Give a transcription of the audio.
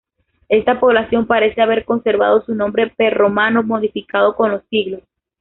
Esta población parece haber conservado su nombre prerromano modificado con los siglos.